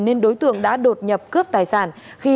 nên đối tượng đã đột nhập cướp tài sản